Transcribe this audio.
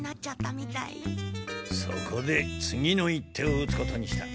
そこで次の一手を打つことにした。